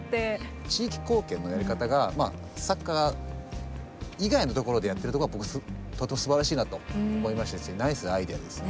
地域貢献のやり方がサッカー以外のところでやってるとこが僕とってもすばらしいなと思いましたしナイスアイデアですよね。